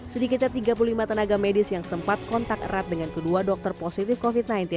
sedikitnya tiga puluh lima tenaga medis yang sempat kontak erat dengan kedua dokter positif covid sembilan belas